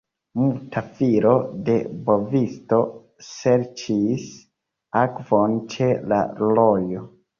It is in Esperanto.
Muta filo de bovisto serĉis akvon ĉe la rojo.